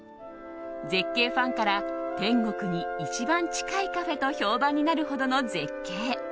絶景ファンから天国に一番近いカフェと評判になるほどの絶景。